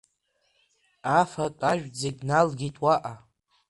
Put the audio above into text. Афатә-ажәтә зегь налгеит уаҟа.